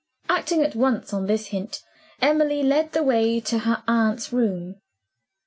Acting at once on this hint, Emily led the way to her aunt's room.